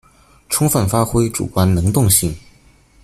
充分发挥主观能动性